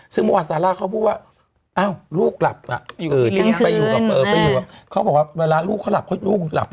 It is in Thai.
ซึ่งเมื่อวันซาร่าเขาบอกว่าลูกหลับ